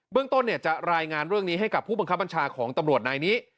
เรื่องต้นจะรายงานเรื่องนี้ให้กับผู้บังคับบัญชาของตำรวจนายนี้